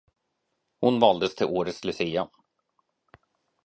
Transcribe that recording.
Hon valdes till årets Lucia.